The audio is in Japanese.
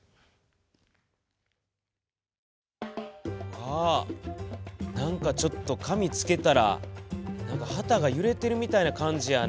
あ何かちょっと紙つけたら旗が揺れてるみたいな感じやな。